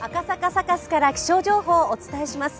サカスから気象情報をお伝えします。